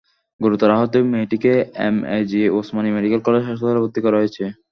গুরুতর আহত মেয়েটিকে এমএজি ওসমানী মেডিকেল কলেজ হাসপাতালে ভর্তি করা হয়েছে।